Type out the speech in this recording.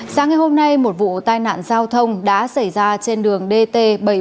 sáng ngày hôm nay một vụ tai nạn giao thông đã xảy ra trên đường dt bảy trăm bốn mươi một